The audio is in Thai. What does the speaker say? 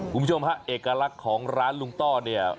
คุณผู้ชมฮะเอกลักษณ์ของร้านลุงต้อเนี่ย